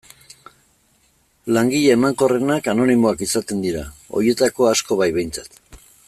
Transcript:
Langile emankorrenak anonimoak izaten dira, horietako asko bai behintzat.